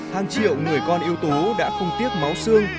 hàng triệu người con yêu tú đã không tiếc máu xương